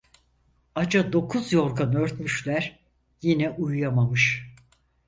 Aca dokuz yorgan örtmüşler, yine uyuyamamış.